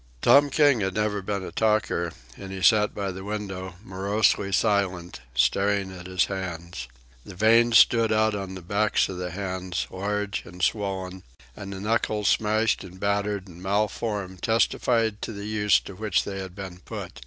Tom King had never been a talker, and he sat by the window, morosely silent, staring at his hands. The veins stood out on the backs of the hands, large and swollen; and the knuckles, smashed and battered and malformed, testified to the use to which they had been put.